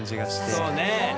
そうね。